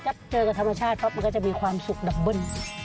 ถ้าเจอกับธรรมชาติปั๊บมันก็จะมีความสุขดับเบิ้ล